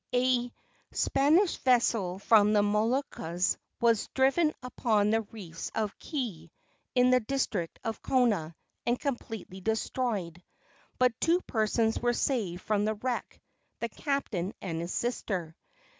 A Spanish vessel from the Moluccas was driven upon the reefs of Keei, in the district of Kona, and completely destroyed. But two persons were saved from the wreck the captain and his sister.